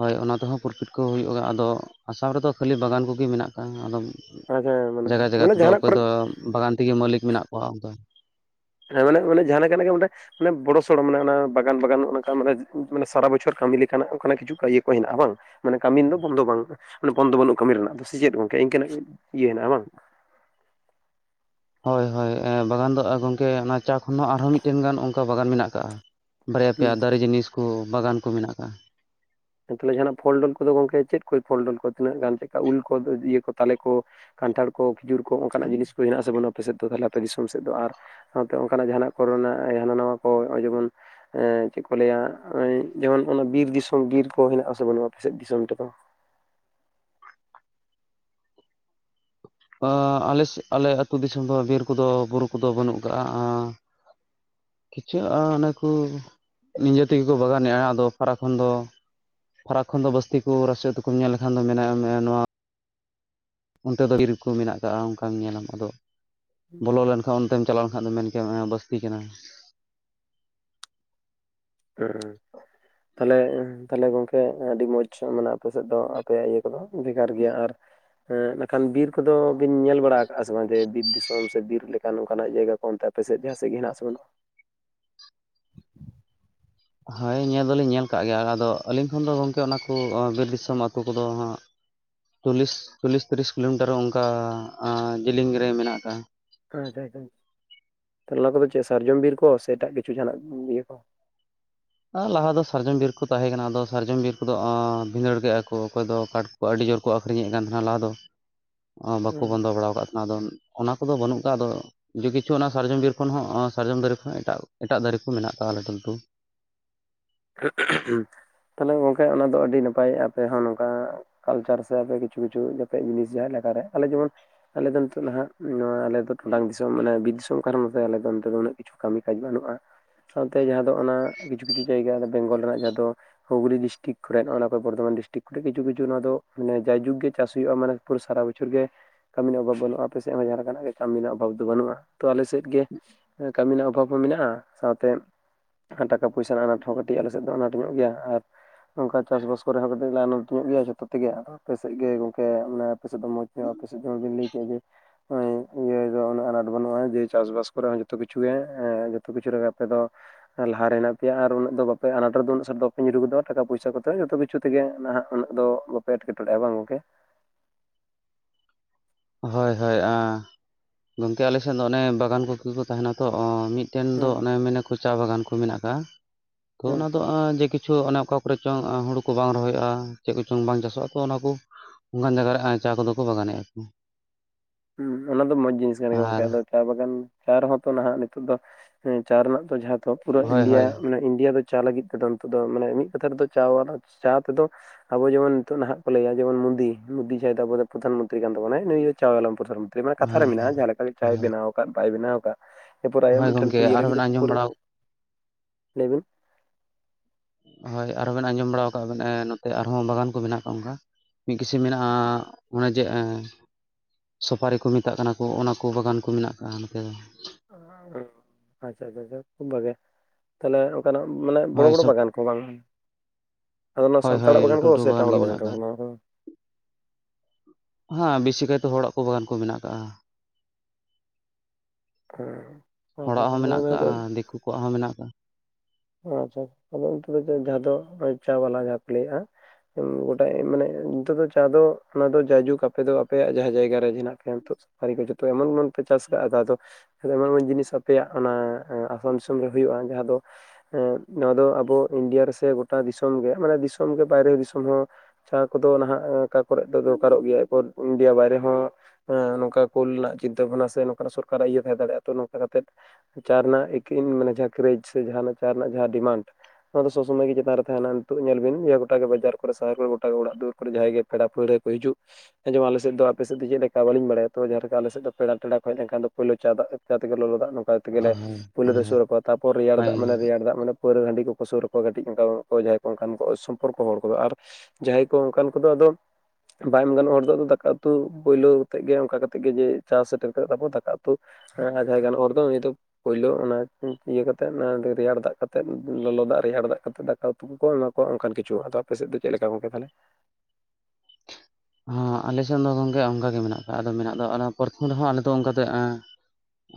ᱦᱳᱭ ᱚᱱᱟ ᱛᱮᱦᱚᱸ ᱯᱨᱚᱯᱷᱤᱴ ᱠᱚ ᱦᱩᱭᱩᱜᱼᱟ᱾ ᱟᱫᱚ ᱟᱥᱟᱢ ᱨᱮᱫᱚ ᱠᱷᱟᱹᱞᱤ ᱵᱟᱜᱟᱱ ᱠᱚᱜᱮ ᱢᱮᱱᱟᱜ ᱟᱫᱚ ᱟᱪᱪᱷᱟ ᱢᱟᱱᱮ ᱡᱟᱭᱜᱟ ᱡᱟᱭᱜᱟ ᱢᱟᱱᱮ ᱛᱮᱫᱚ ᱡᱟᱦᱟᱱᱟᱜ ᱚᱠᱚᱭ ᱠᱚᱨᱮ ᱫᱚ ᱵᱟᱜᱟᱱ ᱛᱮᱜᱮ ᱢᱟᱹᱞᱤᱠ ᱢᱮᱱᱟᱜ ᱠᱚᱣᱟ ᱚᱱᱛᱮ᱾ <unintelligible> ᱢᱟᱱᱮ ᱵᱚᱲᱚ ᱥᱚᱲᱚ ᱢᱟᱱᱮ ᱚᱱᱟ ᱵᱟᱜᱟᱱ ᱵᱟᱜᱟᱱ ᱚᱱᱠᱟ ᱢᱟᱱᱮ ᱥᱟᱨᱟ ᱵᱚᱪᱷᱚᱨ ᱠᱟᱹᱢᱤ ᱞᱮᱠᱟᱱᱟᱜ ᱚᱱᱠᱟᱱᱟᱜ ᱠᱤᱪᱷᱩ ᱤᱭᱟᱹ ᱠᱚ ᱦᱮᱱᱟᱜᱼᱟ ᱵᱟᱝ? ᱢᱟᱱᱮ ᱠᱟᱹᱢᱤᱱ ᱫᱚ ᱵᱚᱱᱫᱚ ᱵᱟᱝ᱾ ᱢᱟᱱᱮ ᱵᱚᱱᱫᱚ ᱵᱟᱹᱱᱩᱜᱼᱟ ᱠᱟᱹᱢᱤ ᱨᱮᱱᱟᱜ ᱫᱚ ᱥᱮ ᱪᱮᱫ? ᱜᱚᱝᱠᱮ! ᱤᱱᱠᱟᱹᱱᱟᱜ ᱤᱭᱟᱹ ᱦᱮᱱᱟᱜᱼᱟ ᱵᱟᱝ? ᱦᱳᱭ ᱦᱳᱭ᱾ ᱮ ᱵᱟᱜᱟᱱ ᱫᱚ ᱟᱨ ᱜᱚᱝᱠᱮ ᱚᱱᱟ ᱪᱟ ᱠᱷᱚᱱ ᱦᱚᱸ ᱟᱨᱦᱚᱸ ᱢᱤᱫᱴᱮᱱ ᱜᱟᱱ ᱚᱱᱠᱟ ᱵᱟᱜᱟᱱ ᱢᱮᱱᱟᱜ ᱠᱟᱜᱼᱟ᱾ ᱵᱟᱨᱭᱟ ᱦᱩᱸ ᱯᱮᱭᱟ ᱫᱟᱨᱮ ᱡᱤᱱᱤᱥᱠᱚ ᱵᱟᱜᱟᱱᱠᱚ ᱢᱮᱱᱟᱜ ᱟᱠᱟᱫᱼᱟ᱾ ᱛᱟᱦᱞᱮ ᱡᱟᱦᱟᱱᱟᱜ ᱯᱷᱚᱞ ᱰᱚᱞ ᱠᱚᱫᱚ ᱜᱚᱝᱠᱮ ᱪᱮᱫ ᱠᱚ ᱯᱷᱚᱞ ᱰᱚᱞ ᱠᱚ? ᱛᱤᱱᱟᱹᱜ ᱜᱟᱱ ᱪᱮᱫ ᱞᱮᱠᱟ ᱩᱞ ᱠᱚ ᱥᱮ ᱤᱭᱟᱹ ᱠᱚ ᱛᱟᱞᱮ ᱠᱚ? ᱠᱟᱱᱴᱷᱟᱲ ᱠᱚ ᱠᱷᱤᱡᱩᱨ ᱠᱚ ᱚᱱᱠᱟᱱᱟᱜ ᱡᱤᱱᱤᱥ ᱠᱚ ᱦᱮᱱᱟᱜ-ᱟ ᱥᱮ ᱵᱟᱹᱱᱩᱜ-ᱟ ᱟᱯᱮ ᱥᱮᱫ ᱫᱚ? ᱛᱟᱦᱞᱮ ᱟᱯᱮ ᱫᱤᱥᱚᱢ ᱥᱮᱫ ᱫᱚ ᱟᱨ ᱥᱟᱶᱛᱮ ᱚᱱᱠᱟᱱᱟᱜ ᱡᱟᱦᱟᱱᱟᱜ ᱠᱚᱨᱮᱱᱟᱜ ᱦᱟᱱᱟ ᱱᱷᱟᱶᱟ ᱠᱚ ᱡᱮᱢᱚᱱ ᱮᱸ ᱪᱮᱫ ᱠᱚ ᱞᱟᱹᱭᱟ ᱮᱸᱭ ᱡᱮᱢᱚᱱ ᱚᱱᱟ ᱵᱤᱨ ᱫᱤᱥᱚᱢ ᱵᱤᱨ ᱠᱚ ᱦᱮᱱᱟᱜ-ᱟ ᱥᱮ ᱵᱟᱹᱱᱩᱜᱼᱟ ᱟᱯᱮ ᱥᱮᱫ ᱫᱤᱥᱚᱢ ᱨᱮ ᱫᱚ? ᱟ ᱟᱞᱮ ᱥᱮᱜ ᱟᱞᱮ ᱟᱹᱛᱩ ᱫᱤᱥᱚᱢ ᱫᱚ ᱵᱤᱨ ᱠᱚᱫᱚ ᱵᱩᱨᱩ ᱠᱚᱫᱚ ᱵᱟᱹᱱᱩᱜ ᱟᱠᱟᱫᱼᱟ᱾ ᱟ ᱠᱷᱤᱪᱟᱹᱜᱼᱟ ᱚᱱᱟ ᱠᱚ ᱱᱤᱡᱮ ᱛᱮᱜᱮ ᱠᱚ ᱵᱟᱜᱟᱱᱮᱜᱼᱟ ᱟᱫᱚ ᱯᱷᱟᱨᱟᱠ ᱠᱷᱚᱱ ᱫᱚ᱾ ᱯᱷᱟᱨᱟᱠ ᱠᱷᱚᱱ ᱫᱚ ᱵᱟᱹᱥᱛᱤ ᱠᱚ ᱨᱟᱹᱥᱤ ᱟᱹᱛᱩ ᱠᱚᱢ ᱧᱮᱞ ᱞᱮᱠᱷᱟᱱ ᱫᱚ ᱢᱮᱱᱟᱭ <unintelligible> ᱱᱚᱶᱟ ᱚᱱᱛᱮ ᱫᱚ ᱵᱤᱨ ᱠᱚ ᱢᱮᱱᱟᱜ ᱠᱟᱜᱼᱟ ᱚᱱᱠᱟᱢ ᱧᱮᱞᱟᱢ ᱟᱫᱚ ᱵᱚᱞᱚ ᱞᱮᱱᱠᱷᱟᱱ ᱚᱱᱛᱮᱢ ᱪᱟᱞᱟᱣ ᱞᱮᱱᱠᱷᱟᱱ ᱫᱚ ᱢᱮᱱ ᱠᱮᱭᱟᱢ ᱵᱟᱹᱥᱛᱤ ᱠᱟᱱᱟ᱾ <unintelligible> ᱛᱟᱦᱞᱮ ᱛᱟᱦᱞᱮ ᱜᱚᱝᱠᱮ ᱟᱹᱰᱤ ᱢᱚᱸᱡᱽ ᱥᱟᱶ ᱢᱮᱱᱟᱜ ᱟᱯᱮ ᱥᱮᱫ ᱫᱚ ᱟᱯᱮᱭᱟᱜ ᱤᱭᱟᱹ ᱠᱚᱫᱚ᱾ ᱵᱷᱮᱜᱟᱨ ᱜᱮᱭᱟ ᱟᱨ ᱦᱮᱸ ᱤᱱᱟᱹᱠᱷᱟᱱ ᱵᱤᱨ ᱠᱚᱫᱚ ᱵᱤᱱ ᱧᱮᱞ ᱵᱟᱲᱟ ᱟᱠᱟᱫᱼᱟ ᱥᱮ ᱵᱟᱝ ᱜᱮ? ᱵᱤᱨ ᱫᱤᱥᱚᱢ ᱥᱮ ᱵᱤᱨ ᱞᱮᱠᱟᱱ ᱚᱱᱠᱟᱱᱟᱜ ᱡᱟᱭᱜᱟ ᱠᱚ ᱚᱱᱛᱮ? ᱟᱯᱮ ᱥᱮᱫ ᱡᱟᱦᱟᱸ ᱥᱮᱫ ᱜᱮ ᱦᱮᱱᱟᱜ ᱥᱮ ᱵᱟᱹᱱᱩᱜ-ᱟ? ᱦᱳᱭ ᱧᱮᱞ ᱫᱚᱞᱤᱧ ᱠᱟᱜ ᱜᱮᱭᱟ᱾ ᱟᱫᱚ ᱟᱹᱞᱤᱧ ᱠᱷᱚᱱ ᱫᱚ ᱜᱚᱝᱠᱮ ᱚᱱᱟ ᱠᱚ ᱵᱤᱨ ᱫᱤᱥᱚᱢ ᱟᱹᱛᱩ ᱠᱚᱫᱚ ᱦᱟᱸᱜ ᱪᱚᱞᱞᱤᱥ ᱪᱚᱞᱞᱤᱥ ᱛᱤᱨᱤᱥ ᱠᱤᱞᱳᱢᱤᱴᱟᱨ ᱚᱱᱠᱟ ᱟᱸ ᱡᱤᱞᱤᱝ ᱨᱮ ᱢᱮᱱᱟᱜ ᱠᱟᱜ-ᱟ᱾ <unintelligible> ᱠᱚᱫᱚ ᱪᱮᱫ ᱥᱟᱨᱡᱚᱢ ᱵᱤᱨ ᱠᱚ ᱥᱮ ᱮᱴᱟᱜ ᱠᱤᱪᱷᱩ ᱡᱟᱦᱟᱱᱟᱜ ᱤᱭᱟᱹ ᱠᱚ? ᱟᱨ ᱞᱟᱦᱟ ᱫᱚ ᱥᱟᱨᱡᱚᱢ ᱵᱤᱨ ᱠᱚ ᱛᱟᱦᱮᱸ ᱠᱟᱱᱟ᱾ ᱟᱫᱚ ᱥᱟᱨᱡᱚᱢ ᱵᱤᱨ ᱠᱚᱫᱚ ᱵᱷᱤᱸᱫᱟᱹᱲ ᱠᱮᱫᱼᱟ ᱠᱚ ᱚᱠᱚᱭ ᱫᱚ ᱠᱟᱴ ᱠᱚ ᱟᱹᱰᱤ ᱡᱩᱨ ᱠᱚ ᱟᱹᱠᱷᱨᱤᱧᱮᱫ ᱠᱟᱱ ᱛᱟᱦᱮᱱᱟ ᱞᱟᱦᱟ ᱫᱚ᱾ ᱟ ᱵᱟᱠᱚ ᱦᱩᱸ ᱵᱚᱱᱫᱚ ᱵᱟᱲᱟᱣ ᱠᱟᱫ ᱟᱫᱚ ᱚᱱᱟ ᱠᱚᱫᱚ ᱵᱟᱹᱱᱩᱜ ᱠᱟᱜ ᱟᱫᱚ᱾ ᱡᱩ ᱠᱤᱪᱷᱩ ᱚᱱᱟ ᱥᱟᱨᱡᱚᱢ ᱵᱤᱨ ᱠᱷᱚᱱ ᱦᱚᱸ ᱥᱟᱨᱡᱚᱢ ᱫᱟᱨᱮ ᱠᱷᱚᱡ ᱮᱴᱟᱜ ᱮᱴᱟᱜ ᱫᱟᱨᱮ ᱠᱩ ᱢᱮᱱᱟᱜ ᱠᱟᱜ-ᱟ ᱞᱟᱹᱴᱩ ᱞᱟᱹᱴᱩ᱾ ᱛᱟᱦᱞᱮ ᱜᱚᱝᱠᱮ ᱚᱱᱟ ᱫᱚ ᱟᱹᱰᱤ ᱱᱟᱯᱟᱭ ᱟᱯᱮ ᱦᱚᱸ ᱱᱚᱝᱠᱟ ᱠᱟᱞᱪᱟᱨ ᱥᱮ ᱟᱯᱮ ᱠᱤᱪᱷᱩ ᱠᱤᱪᱷᱩ ᱡᱟᱛᱮ ᱡᱤᱱᱤᱥ ᱡᱟᱦᱟᱸ ᱞᱮᱠᱟᱨᱮ ᱟᱞᱮ ᱡᱮᱢᱚᱱ ᱟᱞᱮ ᱫᱚ ᱱᱤᱛᱚᱜ ᱱᱟᱸᱜ ᱱᱚᱣᱟ ᱟᱞᱮᱫᱚ ᱴᱚᱰᱟᱝ ᱫᱤᱥᱚᱢ ᱢᱟᱱᱮ ᱵᱤᱨ ᱫᱤᱥᱚᱢ ᱠᱟᱨᱚᱱ ᱱᱚᱛᱮ ᱟᱞᱮ ᱫᱚ ᱱᱚᱛᱮ ᱩᱱᱟᱹᱜ ᱠᱤ ᱠᱟᱹᱢᱤ ᱠᱟᱡᱽ ᱵᱟᱹᱱᱩᱜᱼᱟ ᱥᱟᱶᱛᱮ ᱡᱟᱦᱟᱸ ᱫᱚ ᱚᱱᱟ ᱠᱤᱪᱷᱩ ᱠᱤᱪᱷᱩ ᱡᱟᱭᱜᱟ ᱵᱮᱝᱜᱚᱞ ᱨᱮᱱᱟᱜ ᱡᱟᱦᱟᱸ ᱫᱚ ᱦᱩᱜᱞᱤ ᱰᱤᱥᱴᱤᱠ ᱠᱚᱨᱮᱜ ᱱᱚᱜ ᱱᱟ ᱵᱚᱨᱫᱷᱚᱢᱟᱱ ᱰᱤᱥᱴᱤᱠ ᱠᱚᱨᱮᱜ ᱠᱤᱪᱷᱩ ᱠᱤᱪᱷᱩ ᱱᱚᱣᱟ ᱫᱚ ᱢᱟᱱᱮ ᱡᱟᱭᱡᱩᱜᱽ ᱜᱮ ᱪᱟᱥ ᱦᱩᱭᱩᱜᱼᱟ ᱢᱟᱱᱮ ᱯᱩᱨᱟᱹ ᱥᱟᱨᱟ ᱵᱚᱪᱷᱚᱨ ᱜᱮ ᱠᱟᱹᱢᱤ ᱨᱮᱱᱟᱜ ᱚᱵᱷᱟᱵᱽ ᱵᱟᱹᱱᱩᱜᱼᱟ ᱟᱯᱮ ᱥᱮᱫᱽ ᱦᱚᱸ ᱡᱟᱦᱟᱸ ᱞᱮᱠᱟᱱᱟᱜ ᱜᱮ ᱠᱟᱹᱢᱤ ᱨᱮᱱᱟᱜ ᱚᱵᱷᱟᱵᱽ ᱫᱚ ᱵᱟᱹᱱᱩᱜᱼᱟ ᱛᱚ ᱟᱞᱮ ᱥᱮᱫᱽ ᱜᱮ ᱠᱟᱹᱢᱤ ᱨᱮᱱᱟᱜ ᱚᱵᱷᱟᱵᱽ ᱦᱚᱸ ᱢᱮᱱᱟᱜᱼᱟ ᱥᱟᱶᱛᱮ ᱴᱟᱠᱟ ᱯᱚᱭᱥᱟ ᱨᱮᱱᱟᱜ ᱟᱱᱟᱴ ᱦᱚᱸ ᱠᱟᱹᱴᱤᱡᱽ ᱟᱞᱮ ᱥᱮᱫᱽ ᱫᱚ ᱟᱱᱟᱴ ᱧᱚᱜ ᱜᱮᱭᱟ ᱟᱨ ᱱᱚᱝᱠᱟ ᱪᱟᱥᱵᱟᱥ ᱠᱚᱨᱮ ᱦᱚᱸ ᱠᱟᱹᱴᱤᱡᱽ ᱞᱮ ᱟᱱᱟᱴ ᱧᱚᱜ ᱜᱮᱭᱟ ᱡᱷᱚᱛᱚ ᱛᱮᱜᱮ᱾ ᱟᱯᱮᱥᱮᱜ ᱜᱮ ᱜᱚᱝᱠᱮ ᱢᱟᱱᱮ ᱟᱯᱮᱥᱮᱫ ᱫᱚ ᱢᱚᱸᱡᱽ ᱧᱚᱜ ᱟᱯᱮᱥᱮᱫ ᱫᱚ ᱵᱮᱱ ᱞᱟᱹᱭ ᱠᱮᱫ ᱡᱮ ᱚᱭ ᱤᱭᱟᱹ ᱫᱚ ᱩᱱᱟᱹᱜ ᱟᱱᱟᱴ ᱵᱟᱹᱱᱩᱜᱼᱟ ᱡᱮ ᱪᱟᱥᱵᱟᱥ ᱠᱚᱨᱮ ᱦᱚᱸ ᱡᱚᱛᱚ ᱠᱤᱪᱷᱩ ᱜᱮ ᱡᱚᱛᱚ ᱠᱤᱪᱷᱩ ᱨᱮᱜᱮ ᱟᱯᱮ ᱫᱚ ᱞᱟᱦᱟᱨᱮ ᱦᱮᱱᱟᱜ ᱯᱮᱭᱟ ᱟᱨ ᱩᱱᱟᱹᱜ ᱟ ᱵᱟᱯᱮ ᱟᱱᱟᱴ ᱨᱮ ᱫᱚ ᱩᱱᱟᱹᱜ ᱥᱟᱴ ᱫᱚ ᱵᱟᱯᱮ ᱧᱩᱨᱩ ᱜᱚᱫᱚᱜ ᱴᱟᱠᱟ ᱯᱩᱭᱥᱟ ᱠᱚᱛᱮ ᱡᱚᱛᱚ ᱠᱤᱪᱷᱩ ᱛᱮᱜᱮ ᱱᱟᱸᱜ ᱩᱱᱟᱹᱜ ᱫᱚ ᱵᱟᱯᱮ ᱮᱴᱠᱮᱴᱚᱬᱮᱜᱼᱟ ᱵᱟᱝ ᱜᱚᱝᱠᱮ ᱦᱳᱭ ᱦᱳᱭ ᱟ ᱜᱚᱝᱠᱮ ᱟᱞᱮᱥᱮᱫ ᱫᱚ ᱚᱱᱮ ᱵᱟᱜᱟᱱ ᱠᱚᱜᱮ ᱠᱚ ᱛᱟᱦᱮᱱᱟ ᱛᱚ ᱚ ᱢᱤᱫᱴᱮᱱ ᱫᱚ ᱚᱱᱮ ᱦᱩᱸ ᱢᱮᱱᱟᱠᱚ ᱪᱟ ᱵᱟᱜᱟᱱ ᱠᱚ ᱢᱮᱱᱟᱜ ᱠᱟᱜᱼᱟ ᱛᱚ ᱦᱩᱸ ᱚᱱᱟᱫᱚ ᱡᱮ ᱠᱤᱪᱷᱩ ᱚᱱᱮ ᱚᱠ ᱠᱚᱨᱮ ᱪᱚᱝ ᱦᱩᱲᱩ ᱠᱚ ᱵᱟᱝ ᱨᱚᱦᱚᱭᱚᱜᱼᱟ ᱪᱮᱫ ᱠᱚᱪᱚᱝ ᱵᱟᱝ ᱪᱟᱥᱚᱜᱼᱟ ᱛᱚ ᱚᱱᱟ ᱠᱚ ᱚᱱᱠᱟᱱ ᱡᱟᱭᱜᱟ ᱨᱮ ᱪᱟ ᱠᱚᱫᱚ ᱠᱚ ᱵᱟᱜᱟᱱᱮᱫ-ᱟ ᱠᱚ ᱦᱩᱸ ᱚᱱᱟ ᱫᱚ ᱢᱚᱸᱡᱽ ᱡᱤᱱᱤᱥ ᱠᱟᱱ ᱜᱮ ᱜᱚᱝᱠᱮ ᱟᱨ ᱟᱫᱚ ᱪᱟ ᱵᱟᱜᱟᱱ ᱪᱟ ᱨᱮᱦᱚᱸ ᱛᱚ ᱱᱟᱸᱦ ᱱᱤᱛᱚᱜ ᱫᱚ ᱪᱟ ᱨᱮᱱᱟᱜ ᱛᱚ ᱡᱟᱦᱟᱸ ᱛᱚ ᱯᱩᱨᱟᱹ ᱦᱳᱭ ᱤᱱᱰᱤᱭᱟ ᱦᱳᱭ ᱢᱟᱱᱮ ᱤᱱᱰᱤᱭᱟ ᱫᱚ ᱪᱟ ᱞᱟᱹᱜᱤᱫ ᱛᱮᱫᱚ ᱱᱤᱛᱚᱜ ᱫᱚ ᱢᱟᱱᱮ ᱢᱤᱫ ᱠᱟᱛᱷᱟ ᱨᱮᱫᱚ ᱪᱟ ᱪᱟ ᱛᱮᱫᱚ ᱟᱵᱚ ᱡᱮᱢᱚᱱ ᱱᱤᱛᱚᱜ ᱱᱟᱸᱦ ᱠᱚ ᱞᱟᱹᱭ ᱟ ᱡᱮᱱᱚᱱ ᱢᱩᱫᱤ ᱢᱩᱫᱤ ᱪᱟ ᱛᱟᱵᱚᱱᱟ ᱯᱚᱨᱫᱷᱟᱱ ᱢᱚᱱᱛᱤᱨᱤ ᱠᱟᱱ ᱛᱟᱵᱚᱱᱟᱭᱟ ᱪᱟ ᱵᱟᱞᱟ ᱯᱨᱚᱫᱷᱱ ᱢᱚᱱᱛᱨᱤ ᱢᱟᱱᱮ ᱠᱟᱛᱷᱟ ᱨᱮ ᱢᱮᱱᱟᱜᱼᱟ ᱡᱟᱦᱟᱸ ᱞᱮᱠᱟ ᱜᱮ ᱪᱟᱭ ᱦᱳᱭ ᱵᱮᱱᱟᱣ ᱟᱠᱟᱫ ᱵᱟᱭ ᱵᱮᱱᱟᱣ ᱠᱟᱜ ᱮᱯᱚᱨ ᱟᱭᱟᱜ ᱦᱳᱭ ᱢᱤᱫᱴᱮᱱ ᱜᱚᱢᱠᱮ ᱤᱭᱟᱹ ᱟᱨᱦᱚᱸ ᱞᱟᱜᱤᱫ ᱵᱮᱱ ᱟᱸᱡᱚᱢ ᱯᱩᱨ ᱵᱟᱲᱟ ᱞᱟᱹᱭ ᱵᱤᱱ ᱦᱳᱭ ᱟᱨ ᱵᱮᱱ ᱟᱸᱡᱚᱢ ᱵᱟᱲᱟᱣ ᱠᱟᱜ ᱵᱮᱱ ᱱᱚᱛᱮ ᱟᱨᱦᱚᱸ ᱵᱟᱜᱟᱱ ᱠᱚ ᱢᱮᱱᱟᱜ ᱠᱚ ᱚᱱᱠᱟ ᱢᱤᱫ ᱠᱤᱥᱤᱢ ᱢᱮᱱᱟᱜ-ᱟ᱾ ᱚᱱᱮ ᱡᱮ ᱥᱳᱯᱷᱟᱨᱤ ᱠᱚ ᱢᱮᱛᱟᱜ ᱠᱟᱱᱟ ᱠᱚ ᱚᱱᱟ ᱠᱚ ᱵᱟᱜᱟᱱ ᱠᱚ ᱢᱮᱱᱟᱜ ᱠᱟᱜ-ᱟ ᱱᱚᱛᱮ ᱫᱚ᱾ ᱟᱪᱪᱷᱟ ᱟᱪᱪᱷᱟ ᱟᱪᱪᱷᱟ ᱠᱷᱩᱵ ᱵᱷᱟᱜᱮᱭ ᱛᱟᱞᱦᱮ ᱚᱱᱠᱟᱱᱟᱜ ᱢᱟᱱᱮ ᱵᱚᱲᱚ ᱦᱳᱭ ᱵᱚᱲᱚ ᱥᱚᱵ ᱵᱟᱜᱟᱱ ᱠᱚ ᱵᱟᱝ ᱟᱫᱚ ᱚᱱᱟ ᱦᱳᱭ ᱦᱳᱭ ᱥᱟᱱᱛᱟᱲᱟᱜ ᱵᱟᱜᱟᱱ ᱞᱟᱹᱴᱩ ᱠᱚ ᱞᱟᱹᱴᱩ ᱥᱮ ᱮᱴᱟᱜ ᱜᱮ ᱦᱚᱲᱟᱜ ᱢᱮᱱᱟᱜ ᱵᱟᱜᱟᱱ ᱟᱠᱟᱜᱼᱟ <unintelligible> ᱦᱮᱸ ᱵᱮᱥᱤᱠᱟᱭᱛᱮ ᱦᱚᱲᱟᱜ ᱠᱚ ᱵᱟᱜᱟᱱ ᱠᱚ ᱢᱮᱱᱟᱜ ᱠᱟᱜᱼᱟ᱾ ᱦᱮᱸ ᱟᱪᱪᱷᱟ ᱦᱚᱲᱟᱜ ᱟᱪᱪᱷᱟ ᱦᱚᱸ ᱢᱮᱱᱟᱜ ᱱᱚᱣᱟ ᱫᱚ ᱠᱟᱜ-ᱟ ᱫᱤᱠᱩ ᱠᱚᱣᱟᱜ ᱦᱚᱸ ᱢᱮᱱᱟᱜ ᱠᱟᱜ-ᱟ᱾ ᱟᱼᱪᱪᱷᱟ ᱟᱫᱚ ᱚᱱᱛᱮ ᱫᱚ ᱡᱟᱦᱟᱸ ᱫᱚ ᱪᱟ ᱵᱟᱞᱟ ᱡᱟᱦᱟᱸ ᱠᱚ ᱞᱟᱹᱭ-ᱟ ᱜᱚᱴᱟᱜ ᱢᱟᱱᱮ ᱱᱤᱛᱚᱜ ᱫᱚ ᱪᱟ ᱫᱚ ᱚᱱᱟ ᱫᱚ ᱡᱟᱭᱡᱩᱜᱽ ᱟᱯᱮ ᱫᱚ ᱟᱯᱮᱭᱟᱜ ᱡᱟᱦᱟᱸ ᱡᱟᱭᱜᱟ ᱨᱮ ᱦᱮᱱᱟᱜ ᱯᱮ ᱱᱤᱛᱚ ᱟᱨᱤ ᱠᱚ ᱡᱚᱛᱚ ᱮᱢᱚᱱ ᱮᱢᱚᱱ ᱯᱮ ᱪᱟᱥ ᱠᱟᱜ ᱟ ᱫᱚ ᱮᱢᱚᱱ ᱮᱢᱚᱱ ᱡᱤᱱᱤᱥ ᱟᱯᱮᱭᱟᱜ ᱚᱱᱟ ᱟᱥᱟᱢ ᱫᱤᱥᱚᱢ ᱨᱮ ᱦᱩᱭᱩᱜ-ᱟ ᱡᱟᱦᱟᱸ ᱫᱚ ᱦᱮᱸ ᱱᱚᱣᱟ ᱫᱚ ᱟᱵᱚ ᱤᱱᱰᱤᱭᱟ ᱨᱮᱥᱮ ᱜᱚᱴᱟ ᱫᱤᱥᱚᱢ ᱜᱮ ᱢᱟᱱᱮ ᱫᱤᱥᱚᱢ ᱜᱮ ᱵᱟᱭᱨᱮ ᱫᱤᱥᱚᱢ ᱦᱚᱸ ᱪᱟ ᱠᱚᱫᱚ ᱱᱟᱦᱟᱜ ᱚᱠᱟ ᱠᱚᱨᱮ ᱫᱚ ᱫᱚᱨᱠᱟᱨᱚᱜ ᱜᱮᱭᱟ ᱮᱯᱚᱨ ᱤᱱᱰᱤᱭᱟ ᱵᱟᱭᱨᱮ ᱦᱚᱸ ᱦᱮᱸ ᱱᱚᱝᱠᱟ ᱠᱳᱞ ᱨᱮᱱᱟᱜ ᱪᱤᱱᱛᱟᱹ ᱵᱷᱟᱵᱽᱱᱟ ᱥᱮ ᱱᱚᱝᱠᱟᱱᱟᱜ ᱥᱚᱨᱠᱟᱨᱟᱜ ᱤᱭᱟᱹ ᱛᱟᱦᱮᱸ ᱫᱟᱲᱮᱭᱟᱜᱼᱟ ᱛᱚ ᱱᱚᱝᱠᱟ ᱠᱟᱛᱮᱫ ᱪᱟ ᱨᱮᱱᱟᱜ ᱮᱠ ᱮ ᱢᱟᱱᱮ ᱡᱟᱸᱦᱟ ᱠᱮᱨᱮᱡᱽ ᱥᱮ ᱡᱟᱸᱦᱟ ᱪᱟ ᱨᱮᱱᱟᱜ ᱰᱤᱢᱟᱱᱰ ᱱᱚᱣᱟ ᱫᱚ ᱥᱚᱵᱽ ᱥᱚᱢᱚᱭ ᱜᱮ ᱪᱮᱛᱟᱱ ᱨᱮ ᱛᱟᱦᱮᱱᱟ ᱱᱤᱛᱳᱜ ᱧᱮᱞ ᱵᱤᱱ ᱜᱚᱴᱟ ᱜᱮ ᱵᱟᱡᱟᱨ ᱠᱚᱨᱮ ᱥᱟᱦᱟᱨ ᱠᱚᱨᱮ ᱜᱚᱴᱟᱜ ᱜᱮ ᱚᱲᱟᱜ ᱫᱩᱣᱟᱹᱨ ᱡᱟᱦᱟᱸᱭ ᱜᱮ ᱯᱮᱲᱟ ᱯᱟᱹᱲᱦᱟ ᱦᱤᱡᱩᱜ ᱡᱮᱢᱚᱱ ᱟᱞᱮ ᱥᱮᱫ ᱫᱚ ᱟᱯᱮ ᱥᱮᱫ ᱫᱚ ᱪᱮᱫ ᱞᱮᱠᱟ ᱵᱟᱹᱞᱤᱧ ᱵᱟᱲᱟᱭᱟ ᱛᱚ ᱡᱟᱦᱟᱸ ᱞᱮᱠᱟ ᱟᱞᱮ ᱥᱮᱫ ᱫᱚ ᱯᱮᱲᱟ ᱴᱮᱲᱟ ᱠᱚ ᱦᱮᱡᱽ ᱞᱮᱠᱷᱟᱱ ᱫᱚ ᱯᱳᱭᱳ ᱪᱟ ᱫᱟᱜᱽ ᱛᱮ ᱞᱚᱞᱚ ᱫᱟᱜᱽ ᱚᱱᱠᱟ ᱛᱮᱜᱮ ᱞᱮ ᱦᱳᱭ ᱯᱩᱭᱞᱩ ᱦᱳᱭ ᱥᱩᱨ ᱟᱠᱚᱣᱟ ᱛᱟᱨᱯᱚᱨ ᱨᱮᱭᱟᱲ ᱦᱳᱭ ᱫᱟᱜᱽ ᱫᱟᱜᱽ ᱢᱟᱱᱮ ᱯᱟᱹᱣᱟᱹ ᱦᱟᱺᱰᱤ ᱠᱚᱠᱚ ᱥᱩᱨ ᱟᱠᱣᱟ ᱠᱟᱹᱴᱤᱡᱽ ᱚᱱᱠᱟᱱ ᱠᱚ ᱡᱟᱦᱟᱸᱭ ᱠᱚ ᱚᱱᱠᱟᱱ ᱠᱚ ᱥᱚᱢᱯᱚᱨᱠᱚ ᱦᱚᱲ ᱠᱚᱫᱚ ᱟᱨ ᱡᱟᱦᱟᱸᱭ ᱠᱚ ᱚᱱᱠᱟᱱ ᱠᱚᱫᱚ ᱟᱫᱚ ᱵᱟᱭ ᱮᱢ ᱜᱟᱱᱚᱜ ᱦᱚᱲ ᱫᱚ ᱫᱟᱠᱟ ᱩᱛᱩ ᱯᱳᱭᱞᱳ ᱛᱮᱫ ᱜᱮ ᱚᱱᱠᱟ ᱠᱟᱛᱮᱜ ᱜᱮ ᱡᱮ ᱪᱟ ᱥᱮᱴᱮᱨ ᱠᱟᱛᱮ ᱜᱮ ᱛᱟᱨᱯᱚᱨ ᱫᱟᱠᱟ ᱩᱛᱩ ᱟᱭ ᱜᱟᱱᱚᱜ ᱦᱚᱲ ᱫᱚ ᱯᱳᱭᱞᱳ ᱚᱱᱟ ᱤᱭᱟᱹ ᱠᱟᱛᱮᱜ ᱰᱟᱹ ᱨᱮᱭᱟᱲ ᱫᱟᱜᱽ ᱠᱟᱛᱮᱫ ᱞᱚᱞᱚ ᱫᱟᱜᱽ ᱨᱮᱭᱟᱲ ᱫᱟᱜᱽ ᱠᱟᱛᱮ ᱫᱟᱠᱟ ᱩᱛᱩ ᱠᱚᱠᱚ ᱮᱢᱟ ᱠᱚᱣᱟ ᱚᱱᱟᱱ ᱠᱤᱪᱷᱩ ᱟᱫᱚ ᱟᱯᱮ ᱥᱮᱫ ᱫᱚ ᱪᱮᱫ ᱞᱮᱠᱟ ᱜᱚᱝᱠᱮ ᱛᱟᱦᱮ? ᱦᱚᱸ ᱟᱞᱮᱥᱮᱫ ᱫᱚ ᱜᱚᱝᱠᱮ ᱚᱱᱠᱟ ᱜᱮ ᱢᱮᱱᱟᱜ ᱠᱟᱜ ᱟᱫᱚ ᱢᱮᱱᱟᱜ ᱫᱚ ᱯᱨᱚᱛᱷᱚᱢ ᱨᱮᱦᱚᱸ ᱟᱞᱮ ᱫᱚ ᱚᱱᱠᱟ ᱛᱮ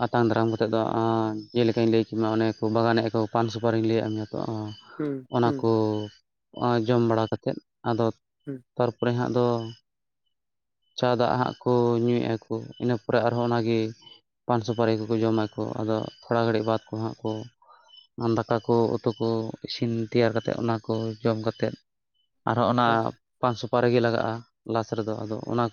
ᱟᱛᱟᱝ ᱫᱟᱨᱟᱢ ᱠᱟᱛᱮᱫ ᱫᱚ ᱟᱸ ᱡᱮᱞᱮᱠᱟᱧ ᱞᱟᱹᱭ ᱠᱮ ᱚᱱᱮ ᱠᱚ ᱵᱟᱜᱟᱱᱮᱫᱼᱟ ᱠᱚ ᱯᱟᱱ ᱥᱩᱯᱟᱨᱤᱧ ᱞᱟᱹᱭᱟᱫ ᱢᱮᱭᱟ ᱚᱸ ᱦᱩᱸ ᱚᱱᱟ ᱦᱩᱸ ᱠᱚ ᱟᱡᱚᱢ ᱵᱟᱲᱟ ᱠᱟᱛᱮᱫ ᱟᱫᱚ ᱦᱩᱸ ᱛᱟᱨᱯᱚᱨᱮ ᱦᱟᱸᱜ ᱫᱚ᱾ ᱪᱟ ᱫᱟᱜ ᱦᱟᱸᱜ ᱠᱚ ᱧᱩᱭᱮᱫᱼᱟ, ᱠᱚ ᱤᱱᱟᱹᱯᱚᱨᱮ ᱟᱨᱦᱚᱸ ᱚᱱᱟᱜᱮ ᱯᱟᱱ ᱥᱩᱯᱟᱹᱨᱤ ᱠᱚ-ᱠᱚ ᱡᱚᱢ ᱢᱟᱠᱚ ᱟᱫᱚ ᱛᱷᱚᱲᱟ ᱜᱷᱟᱹᱲᱤᱡ ᱵᱟᱫᱽ ᱠᱚ ᱦᱟᱸᱜ ᱠᱚ ᱫᱟᱠᱟ ᱠᱚ, ᱩᱛᱩ ᱠᱚ, ᱤᱥᱤᱱ ᱛᱮᱭᱟᱨᱠᱟᱛᱮᱫ ᱚᱱᱟᱠᱚ ᱡᱚᱢ ᱠᱟᱛᱮᱫ ᱟᱨᱦᱚᱸ ᱚᱱᱟ ᱟᱪᱪᱷᱟ ᱯᱟᱱᱥᱩᱯᱟᱨᱤ ᱜᱮ ᱞᱟᱜᱟᱜᱼᱟ, ᱞᱟᱥ ᱨᱮᱫᱚ ᱟᱫᱚ ᱚᱱᱟ